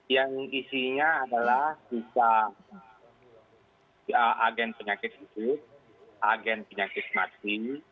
yang isinya adalah sisa agen penyakit itu agen penyakit mati